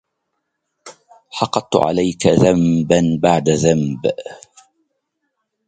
حقدت عليك ذنبا بعد ذنب